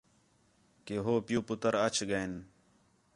کہ ہو پِیؤ پُتر اَچ ڳئین